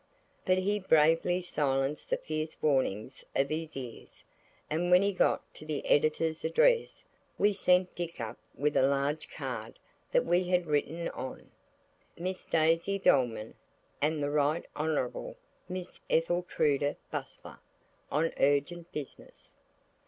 But he bravely silenced the fierce warnings of his ears, and when we got to the Editor's address we sent Dick up with a large card that we had written on, "MISS DAISY DOLMAN and THE RIGHT HONOURABLE MISS ETHELTRUDA BUSTLER. On urgent business."